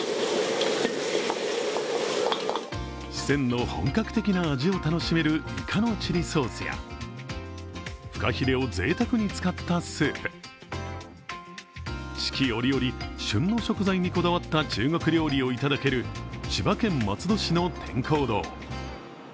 四川の本格的な味を楽しめるイカのチリソースやふかひれをぜいたくに使ったスープ、四季折々、旬の食材にこだわった中国料理をいただける千葉県松戸市の天廣堂。